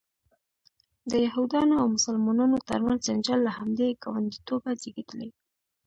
د یهودانو او مسلمانانو ترمنځ جنجال له همدې ګاونډیتوبه زیږېدلی.